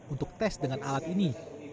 untuk tes dengan alat ini